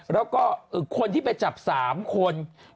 แล้วก็คนที่ไปจับ๓คน